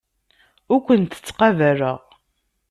Ur kent-ttqabaleɣ.